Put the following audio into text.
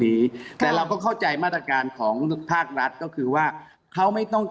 แต่คือเราก็เข้าใจมาตรการของภาครัฐ